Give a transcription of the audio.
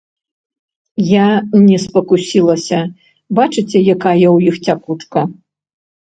Я не спакусілася, бачыце, якая ў іх цякучка?